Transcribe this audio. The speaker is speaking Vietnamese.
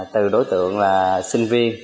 từ đối tượng là sinh viên